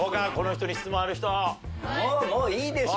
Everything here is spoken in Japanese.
もういいでしょ。